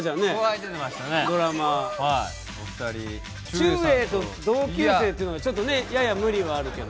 ちゅうえいと同級生っていうのがちょっとねやや無理はあるけど。